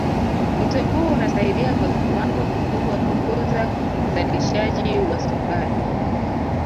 Mto huu unasaidia kwa kiwango kikubwa kukuza uzalishaji wa sukari